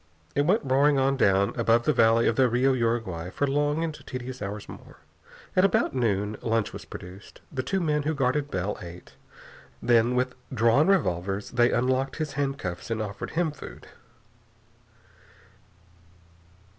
It went roaring on down above the valley of the Rio Uruguay for long and tedious hours more. At about noon, lunch was produced. The two men who guarded Bell ate. Then, with drawn revolvers, they unlocked his handcuffs and offered him food.